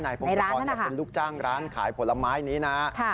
พงธรเป็นลูกจ้างร้านขายผลไม้นี้นะ